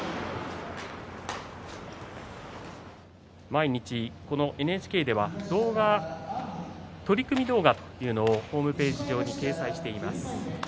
毎日ＮＨＫでは取組動画というのをホームページ上に掲載しています。